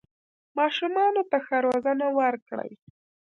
ماشومانو ته ښه روزنه ورکړئ